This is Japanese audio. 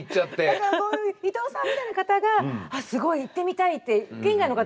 だからもういとうさんみたいな方がすごい行ってみたいって県外の方は思うんですけど。